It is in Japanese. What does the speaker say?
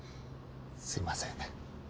すいません。